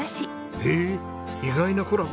えっ意外なコラボ。